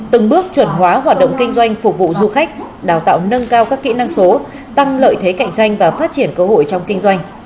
từng bước chuẩn hóa hoạt động kinh doanh phục vụ du khách đào tạo nâng cao các kỹ năng số tăng lợi thế cạnh tranh và phát triển cơ hội trong kinh doanh